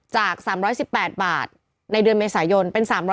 จาก๓๑๘บาทในเดือนเมษายน